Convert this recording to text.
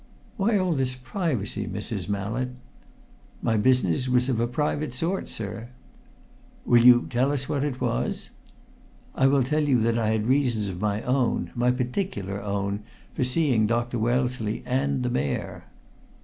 "Why all this privacy, Mrs. Mallett?" "My business was of a private sort, sir!" "Will you tell us what it was?" "I will tell you that I had reasons of my own my particular own for seeing Dr. Wellesley and the Mayor."